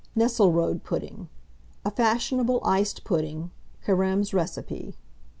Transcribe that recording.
NESSELRODE PUDDING. (A fashionable iced pudding Carême's Recipe.)